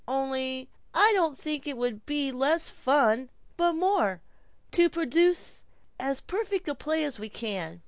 Only I don't think it would be less fun, but more, to produce as perfect a play as we can."